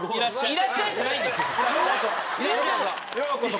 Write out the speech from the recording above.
「いらっしゃい」じゃないです。